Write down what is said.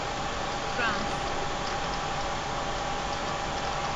France